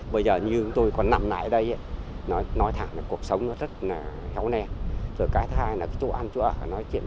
bước vào đầu mùa mưa năm nay bão áp thấp nhiệt đới sạt lở bờ sông ven biển